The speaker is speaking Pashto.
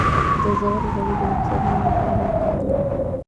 د زغر غوړي د مفصلونو لپاره وکاروئ